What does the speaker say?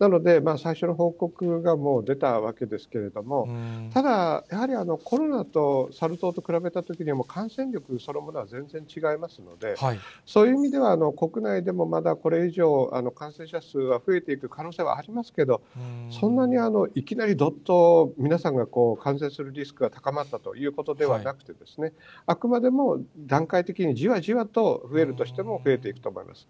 なので、最初の報告がもう出たわけですけれども、ただ、やはりコロナとサル痘と比べたとき、感染力そのものは全然違いますので、そういう意味では、国内でもまだこれ以上、感染者数は増えていく可能性はありますけど、そんなにいきなりどっと、皆さんが感染するリスクが高まったということではなくて、あくまでも段階的にじわじわと増えるとしても、増えていくと思います。